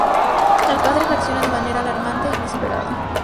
El padre reacciona de manera alarmante e inesperada.